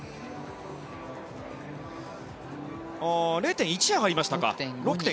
０．１上がりました。